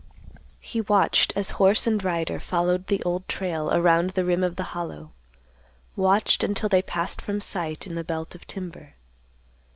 He watched, as horse and rider followed the Old Trail around the rim of the Hollow; watched, until they passed from sight in the belt of timber.